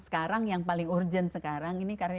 lalu yang paling urgent sekarang